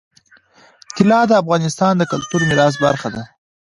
طلا د افغانستان د کلتوري میراث برخه ده.